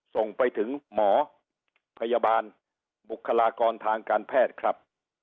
ส่งไปถึงหมอพยาบาลบุคลากรทางการแพทย์ครับ